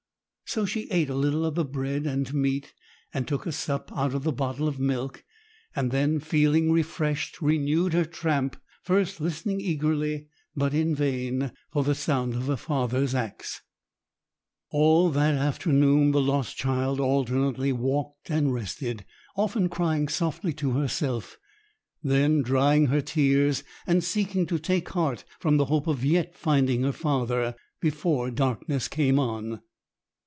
So she ate a little of the bread and meat, and took a sup out of the bottle of milk, and then, feeling refreshed, renewed her tramp, first listening eagerly, but in vain, for the sound of her father's axe. All that afternoon the lost child alternately walked and rested, often crying softly to herself, then drying her tears and seeking to take heart from the hope of yet finding her father before darkness came on.